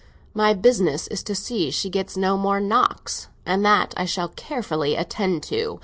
My business is to see she gets no more knocks, and that I shall carefully attend to.